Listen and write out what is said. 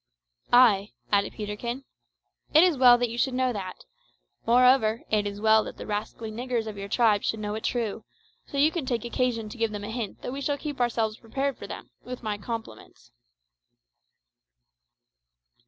"Ay," added Peterkin, "it is well that you should know that; moreover, it is well that the rascally niggers of your tribe should know it too; so you can take occasion to give them a hint that we shall keep ourselves prepared for them, with my compliments."